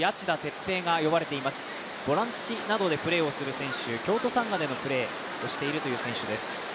ボランチなどでプレーする選手、京都サンガでプレーしているという選手です。